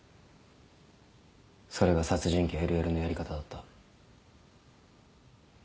それが殺人鬼・ＬＬのやり方だった。